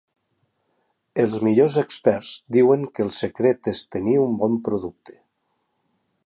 Els millors experts diuen que el secret és tenir un bon producte.